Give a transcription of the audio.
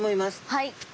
はい。